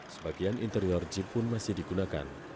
sebagian interior jeep pun masih digunakan